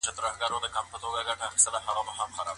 ارسطو ویل چي انسان په ښار کي د ژوند کولو لپاره پیدا سوی دی.